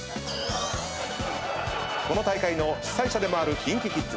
この大会の主催者でもあるＫｉｎＫｉＫｉｄｓ。